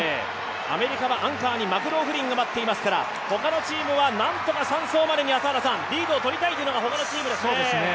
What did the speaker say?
アメリカはアンカーのマクローフリンが待っていますから、他のチームはなんとか３走までにリードを取りたいですね。